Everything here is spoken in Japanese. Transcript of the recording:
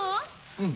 うん。